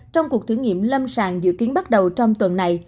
trong cuộc thử nghiệm lâm sàng dự kiến bắt đầu trong tuần này